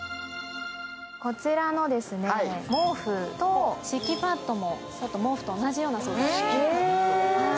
こちらの毛布と敷きパッドも毛布と同じような素材です。